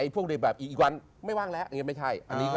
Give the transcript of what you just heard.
พวกในแบบอีกวันไม่ว่างแล้วอย่างนี้ไม่ใช่